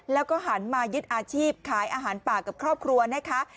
แล้วก็หันมายึดอาชีพขายอาหารป่ากับครอบครัวนะคะ